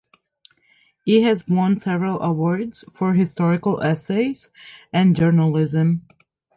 He has won several awards for historical essays and journalism.